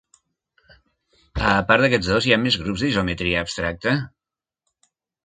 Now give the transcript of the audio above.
A part d'aquests dos, hi ha més grups d'isometria abstracte.